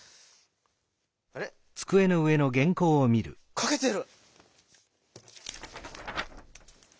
あれ？かけてる！